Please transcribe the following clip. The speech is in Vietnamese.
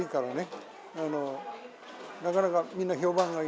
cho nên rất tặng lời